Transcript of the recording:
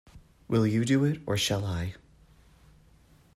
Will you do it, or shall I?